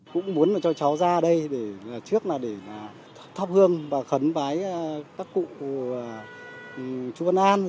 cũng muốn cho cháu ra đây trước là để thắp hương và khấn bái các cụ chú vân an